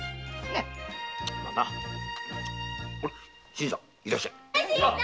新さんいらっしゃい。